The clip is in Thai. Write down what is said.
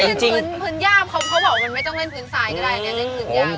นี่ได้เล่นพื้นย่าเค้าบอกว่ามันไม่ต้องเล่นพื้นซายก็ได้